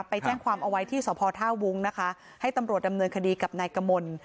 ไปแจ้งความเอาไว้ที่สพท่าวุ้งนะคะให้ตำรวจดำเนินคดีกับนายกมล